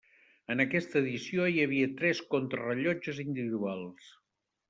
En aquesta edició hi havia tres contrarellotges individuals.